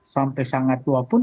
sampai sangat tua pun